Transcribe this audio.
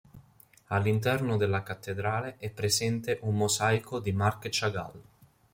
All'interno della cattedrale è presente un mosaico di Marc Chagall.